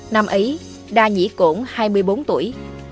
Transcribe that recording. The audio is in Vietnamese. năm ấy đa nhĩ cổn hai mươi bốn tuổi